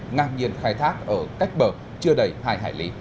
ngang nhiên khai thác ở cách bờ chưa đầy hai hải lý